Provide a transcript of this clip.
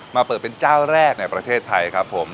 มาเปิดเป็นเจ้าแรกในประเทศไทยครับผม